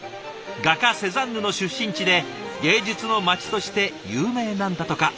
画家セザンヌの出身地で芸術の街として有名なんだとか。